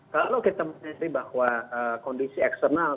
kalau kita melihat bahwa kondisi eksternal